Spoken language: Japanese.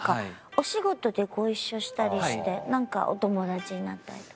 お仕事でご一緒したりしてなんかお友達になったりとか？